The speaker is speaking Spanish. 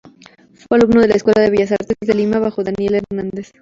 Fue Alumno de la Escuela de Bellas Artes de Lima bajo Daniel Hernandez.